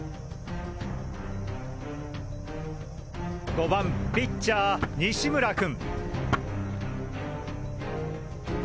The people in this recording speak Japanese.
５番ピッチャー西村君！